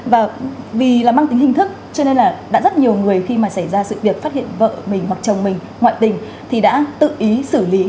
và vì là mang tính hình thức cho nên là đã rất nhiều người khi mà xảy ra sự việc phát hiện vợ mình hoặc chồng mình ngoại tình thì đã tự ý xử lý